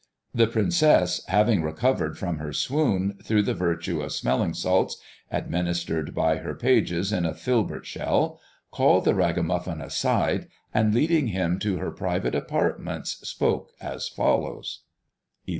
The princess, having recovered from her swoon through the virtue of smelling salts, administered by her pages in a filbert shell, called the ragamuffin aside, and leading him to her private apartments, spoke as follows: XI.